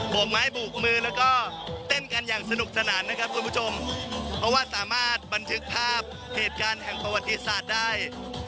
กไม้โบกมือแล้วก็เต้นกันอย่างสนุกสนานนะครับคุณผู้ชมเพราะว่าสามารถบันทึกภาพเหตุการณ์แห่งประวัติศาสตร์ได้